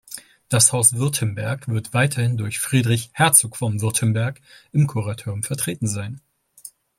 Das Haus Württemberg wird weiterhin durch Friedrich Herzog von Württemberg im Kuratorium vertreten sein.